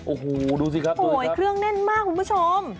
โอ้โหดูสิครับโอ้โหเครื่องแน่นมากคุณผู้ชม